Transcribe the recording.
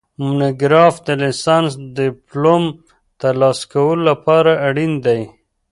مونوګراف د لیسانس د ډیپلوم د ترلاسه کولو لپاره اړین دی